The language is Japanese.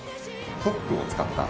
ホップを使った。